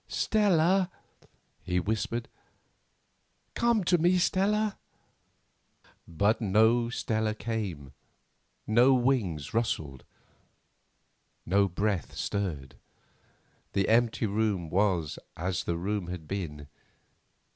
"Stella," he whispered, "come to me, Stella!" But no Stella came; no wings rustled, no breath stirred; the empty room was as the room had been.